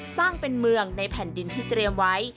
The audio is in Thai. สร้างเป็นเมืองในแผ่นดินที่เตรียมไว้